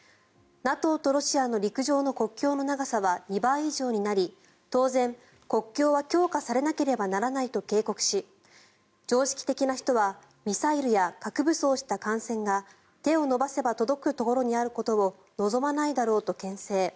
ＮＡＴＯとロシアの陸上の国境の長さは２倍以上になり当然、国境は強化されなければならないと警告し常識的な人はミサイルや核武装した艦船が手を伸ばせば届くところにあることを望まないだろうとけん制。